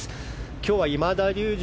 今日は今田竜二